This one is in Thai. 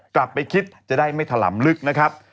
กลับไปคิดจะได้ไม่ถล่ำลึกนะครับ